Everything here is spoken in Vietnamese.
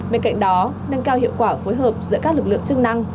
bên cạnh đó nâng cao hiệu quả phối hợp giữa các lực lượng chức năng